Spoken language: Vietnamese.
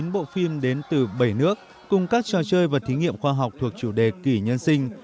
một mươi bộ phim đến từ bảy nước cùng các trò chơi và thí nghiệm khoa học thuộc chủ đề kỷ nhân sinh